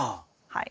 はい。